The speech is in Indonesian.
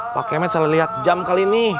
pak kemet salah liat jam kali ini